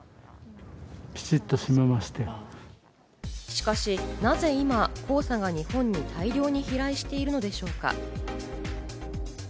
しかし、なぜ今、黄砂が日本に大量に飛来しているのでしょうか？